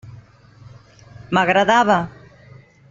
M'agradava.